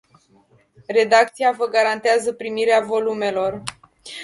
Redacția vă garantează primirea volumelor.